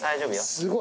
すごい。